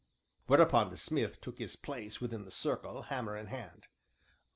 Hereupon, the smith took his place within the circle, hammer in hand.